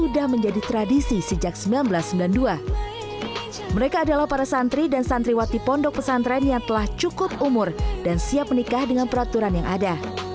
dan siap menikah dengan peraturan yang ada